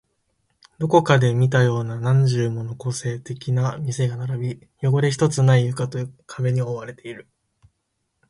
どこかで見たような何十もの個性的な店が並び、汚れ一つない床と壁に覆われている